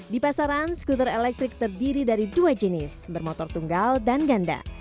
di pasaran skuter elektrik terdiri dari dua jenis bermotor tunggal dan ganda